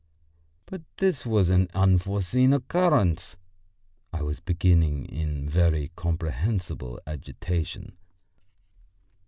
"But this was an unforeseen occurrence," I was beginning, in very comprehensible agitation.